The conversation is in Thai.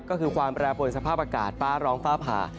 ก็คือความแปรปวนสภาพอากาศฟ้าร้องฟ้าผ่า